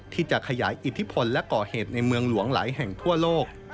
ที่จะขยายอิทธิพลและก่อเหตุในเมืองหลวงหลายแห่งทั่วโลก